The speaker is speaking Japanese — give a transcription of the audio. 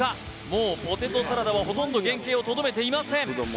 もうポテトサラダはほとんど原形をとどめていません